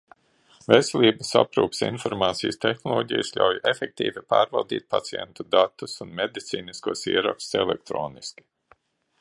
Veselības aprūpes informācijas tehnoloģijas ļauj efektīvi pārvaldīt pacientu datus un medicīniskos ierakstus elektroniski.